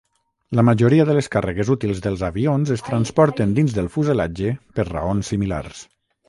La majoria de les càrregues útils dels avions es transporten dins del fuselatge per raons similars.